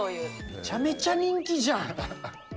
めちゃめちゃ人気じゃん。